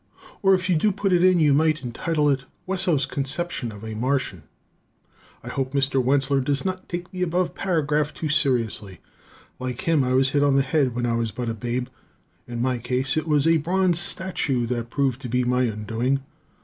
Or, if you do put it in, you might entitle it "Wesso's Conception of a Martian." I hope Mr. Wentzler does not take the above paragraph too seriously. Like him, I was hit on the head when I was but a babe. In my case, it was a bronze statue that proved to be my undoing.